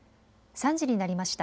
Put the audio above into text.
３時になりました。